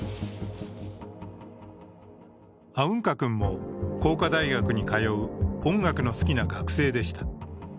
アウンカ君も工科大学に通う音楽の好きな学生でした。